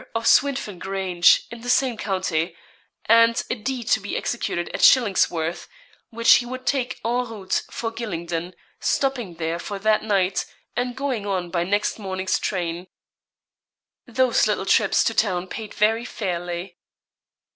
of Swynfen Grange, in the same county; and a deed to be executed at Shillingsworth, which he would take en route for Gylingden, stopping there for that night, and going on by next morning's train. Those little trips to town paid very fairly.